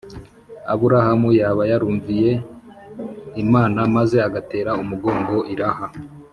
Aburahamu yaba yarumviye Imana maze agatera umugongo iraha